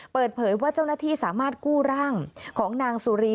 เปิดเผยว่าเจ้าหน้าที่สามารถกู้ร่างของนางสุรี